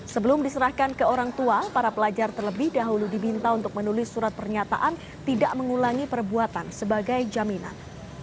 sebelum diserahkan ke orang tua para pelajar terlebih dahulu diminta untuk menulis surat pernyataan tidak mengulangi perbuatan sebagai jaminan